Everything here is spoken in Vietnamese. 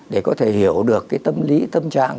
để có thể hiểu được cái tâm lý tâm trạng